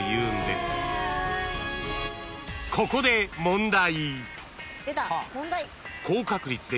［ここで問題］